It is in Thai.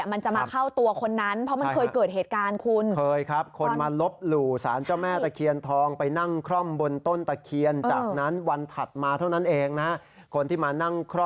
มันจะมาเข้าตัวคนนั้นเพราะมันเคยเกิดเหตุการณ์คุณเคย